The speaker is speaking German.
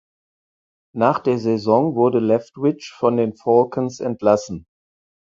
Nach der Saison wurde Leftwich von den Falcons entlassen.